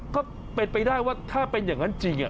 ก็เป็นไปได้ว่าถ้าเป็นอย่างนั้นจริง